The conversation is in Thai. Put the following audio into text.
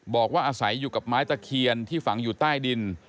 บอกว่าอาศัยอยู่กับไม้ตะเคียนที่ฝังอยู่ใต้ดิน